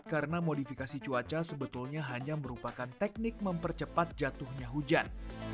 karena modifikasi cuaca sebetulnya hanya merupakan teknik mempercepat jatuhnya hujan